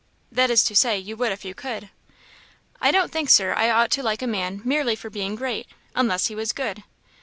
"That is to say, you would if you could?" "I don't think, Sir, I ought to like a man merely for being great, unless he was good.